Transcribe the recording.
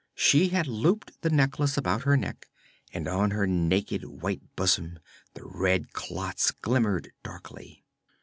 She had looped the necklace about her neck, and on her naked white bosom the red clots glimmered darkly.